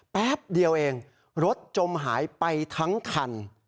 แป๊บเดียวเองรถจมหายไปทั้งคัน